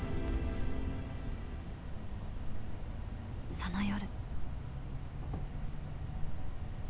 その夜。